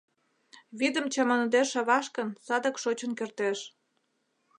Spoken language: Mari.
Вӱдым чаманыде шаваш гын, садак шочын кертеш.